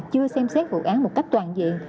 chưa xem xét vụ án một cách toàn diện